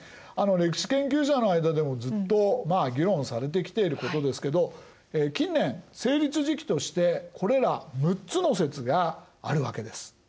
歴史研究者の間でもずっと議論されてきていることですけど近年成立時期としてこれら６つの説があるわけです。